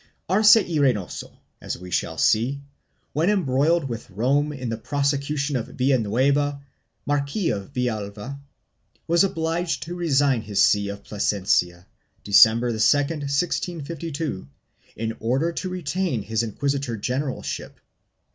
1 Arce y Reynoso, as we shall see, when embroiled with Rome in the prosecution of Villanueva, Marquis of Villalva, was obliged to resign his see of Plasencia, December 2, 1652, in order to retain his inquisitor generalship.